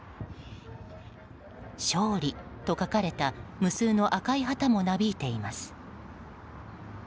勝利！と書かれた無数の赤い旗もなびいています。